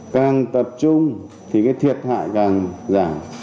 càng tập trung thì cái thiệt hại càng giả